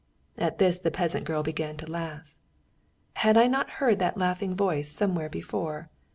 At this the peasant girl began to laugh. Had I not heard that laughing voice somewhere before?